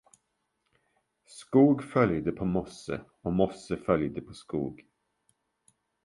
Skog följde på mosse och mosse följde på skog.